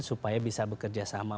supaya bisa bekerja sama